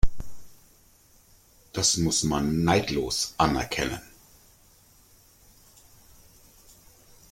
Das muss man neidlos anerkennen.